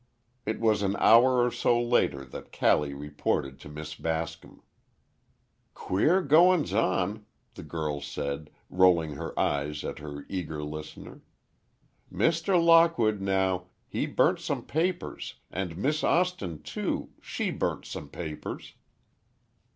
It was an hour or so later that Callie reported to Miss Bascom. "Queer goin's on," the girl said, rolling her eyes at her eager listener, "Mr. Lockwood, now, he burnt some papers, and Miss Austin, too, she burnt some papers."